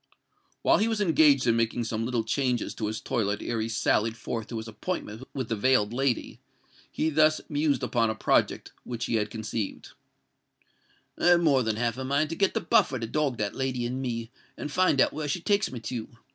While he was engaged in making some little changes in his toilet ere he sallied forth to his appointment with the veiled lady, he thus mused upon a project which he had conceived:— "I have more than half a mind to get the Buffer to dog that lady and me, and find out where she takes me to.